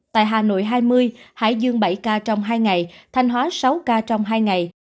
tại hà nội hai mươi hải dương bảy ca trong hai ngày thanh hóa sáu ca trong hai ngày